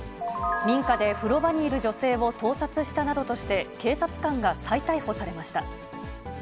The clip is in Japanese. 民家で風呂場にいる女性を盗撮したなどとして、警察官が再逮捕されました。